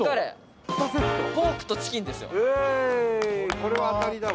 これは当たりだわ。